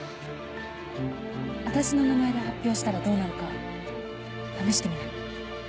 私の名前で発表したらどうなるか試してみない？